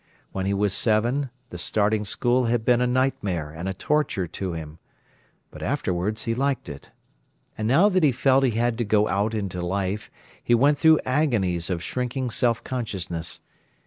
When he was seven, the starting school had been a nightmare and a torture to him. But afterwards he liked it. And now that he felt he had to go out into life, he went through agonies of shrinking self consciousness.